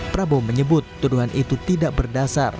prabowo menyebut tuduhan itu tidak berdasar